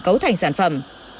cấu thành sản phẩm